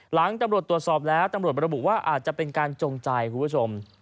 ตำรวจตรวจสอบแล้วตำรวจบรรบุว่าอาจจะเป็นการจงใจคุณผู้ชม